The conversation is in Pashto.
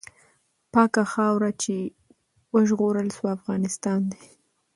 پاکه خاوره چې وژغورل سوه، افغانستان دی.